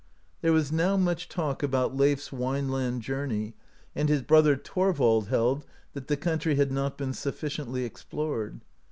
There was now much talk about Leif s Wineland journey, and his brother, Thorvald, held that the country had not been sufficiently explored.